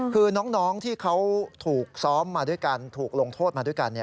คือน้องที่เขาถูกซ้อมมาด้วยกันถูกลงโทษมาด้วยกัน